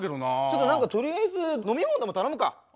何かとりあえず飲み物でも頼むか。